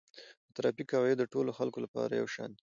د ترافیک قواعد د ټولو خلکو لپاره یو شان دي.